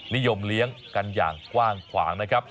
นิยมเลี้ยงกันอย่างกว้างขวางนะครับ